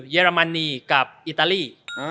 เรมนีกับอิตาลี